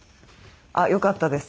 よかったです。